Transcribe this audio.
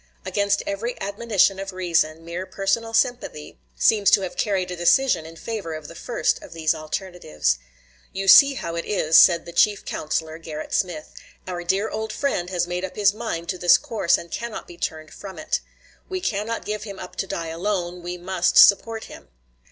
Against every admonition of reason, mere personal sympathy seems to have carried a decision in favor of the first of these alternatives. "You see how it is," said the chief counselor, Gerrit Smith; "our dear old friend has made up his mind to this course and cannot be turned from it. We cannot give him up to die alone; we must support him."